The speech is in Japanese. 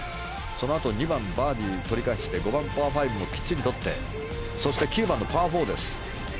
そのあと２番、バーディー取り返して５番、パー５もきっちりとってそして９番のパー４です。